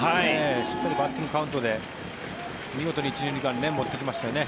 しっかりバッティングカウントで見事に１・２塁間へ持っていきましたね。